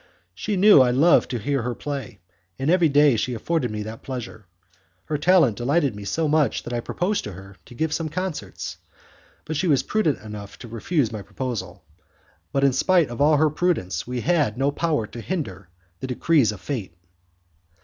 She knew I loved to hear her play, and every day she afforded me that pleasure. Her talent delighted me so much that I proposed to her to give some concerts, but she was prudent enough to refuse my proposal. But in spite of all her prudence we had no power to hinder the decrees of fate.